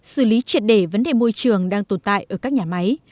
xử lý triệt để vấn đề môi trường đang tồn tại ở các nhà máy